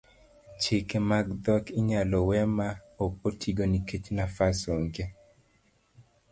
chike mag dhok inyalo we ma ok otigo nikech nafas ong'e